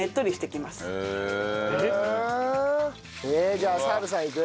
じゃあ澤部さんいく？